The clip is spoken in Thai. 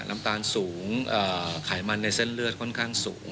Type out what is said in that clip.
น้ำตาลสูงไขมันในเส้นเลือดค่อนข้างสูง